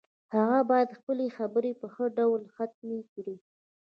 هغه باید خپلې خبرې په ښه ډول ختمې کړي